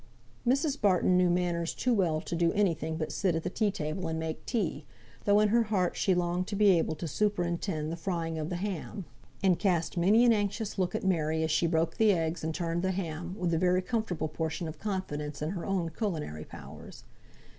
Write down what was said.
Mrs. Barton knew manners too well to do any thing but sit at the tea table and make tea, though in her heart she longed to be able to superintend the frying of the ham, and cast many an anxious look at Mary as she broke the eggs and turned the ham, with a very comfortable portion of confidence in her own culinary powers.